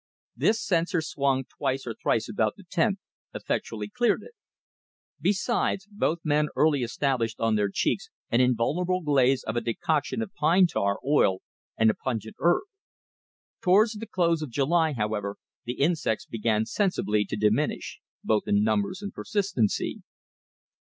This censer swung twice or thrice about the tent, effectually cleared it. Besides, both men early established on their cheeks an invulnerable glaze of a decoction of pine tar, oil, and a pungent herb. Towards the close of July, however, the insects began sensibly to diminish, both in numbers and persistency.